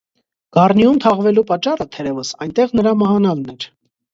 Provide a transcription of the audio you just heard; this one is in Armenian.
Գառնիում թաղվելու պատճառը, թերեւս, այնտեղ նրա մահանալն էր։